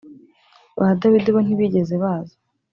ba dawidi bo ntibigeze baza